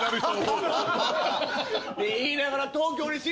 言いながら。